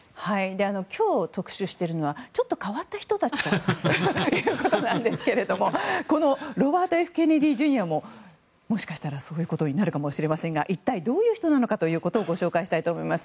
今日、特集しているのはちょっと変わった人たちということなんですけれどもこのロバート・Ｆ・ケネディ・ジュニアももしかしたら、そういうことになるかもしれませんが一体どういう人なのかご紹介したいと思います。